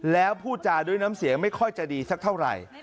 แล้วพูดจาด้วยน้ำเสียงไม่ค่อยจะดีสักเท่าไหร่